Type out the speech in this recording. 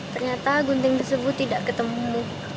ternyata gunting tersebut tidak ketemu